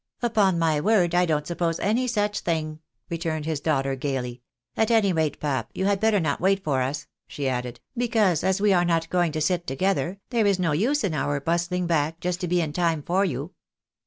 " Upon my word, I don't suppose any such thing," returned his daughter, gaily. " At any rate, pap, you had better not wait for us," she added, " because as we are not going to sit together, there is no use in our bustling back just to be in time for you.